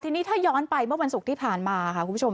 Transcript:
ทีนี้ถ้าย้อนไปเมื่อวันศุกร์ที่ผ่านมาค่ะคุณผู้ชม